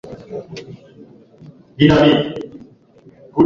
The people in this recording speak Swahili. Akaongeza kwamba jambo ambalo serikali hailifahamu ni kuwa ujio wake unatosha